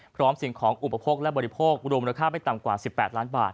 สิ่งของอุปโภคและบริโภครวมราคาไม่ต่ำกว่า๑๘ล้านบาท